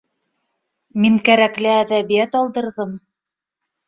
— Мин кәрәкле әҙәбиәт алдырҙым